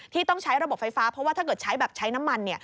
ต้องใช้ระบบไฟฟ้าเพราะว่าถ้าเกิดใช้แบบใช้น้ำมัน